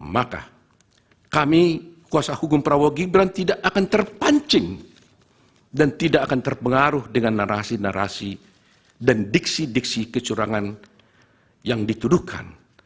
maka kami kuasa hukum prabowo gibran tidak akan terpancing dan tidak akan terpengaruh dengan narasi narasi dan diksi diksi kecurangan yang dituduhkan